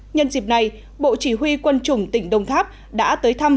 nhân dịp này bộ chỉ huy quân chủng tỉnh đông tháp đã tới thăm